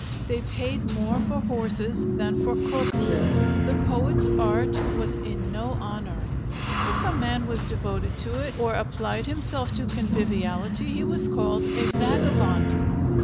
They paid more for horses than for cooks. The poet's art was in no honor. If a man was devoted to it, or applied himself to conviviality, he was called a vagabond!"